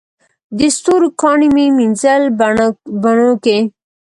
د ستورو کاڼي مې مینځل بڼوکي